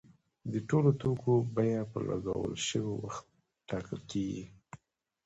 د ټولو توکو بیه په لګول شوي وخت ټاکل کیږي.